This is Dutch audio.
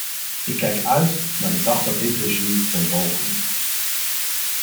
Ik kijk uit naar de dag dat dit regime ten val komt.